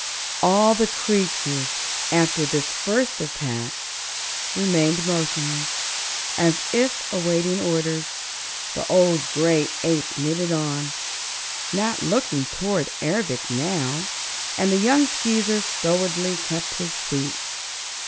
All the creatures, after this first attack, remained motionless, as if awaiting orders. The old gray ape knitted on, not looking toward Ervic now, and the young Skeezer stolidly kept his seat.